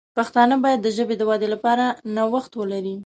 پښتانه باید د ژبې د ودې لپاره نوښت ولري.